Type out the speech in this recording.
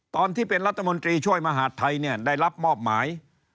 ตอนที่เป็นรัฐมนตรีช่วยมหาดไทยเนี่ยได้รับมอบหมาย